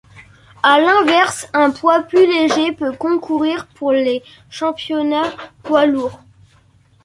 À l'inverse, un poids plus léger peut concourir pour les championnats poids lourd.